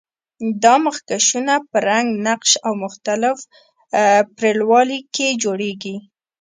دا مخکشونه په رنګ، نقش او مختلف پرېړوالي کې جوړیږي.